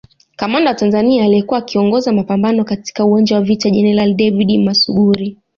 Kamanda wa Tanzania aliyekuwa akiongoza mapambano katika uwanja wa vita Jenerali David Musuguri